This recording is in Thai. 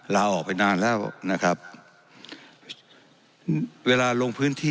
เอาไว้เอาไว้เอาไว้